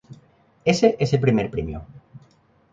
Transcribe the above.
Ése es el primer premio.